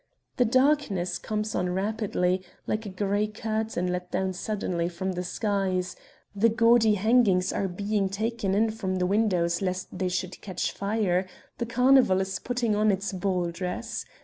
The darkness comes on rapidly, like a grey curtain let down suddenly from the skies; the gaudy hangings are being taken in from the windows lest they should catch fire; the carnival is putting on its ball dress.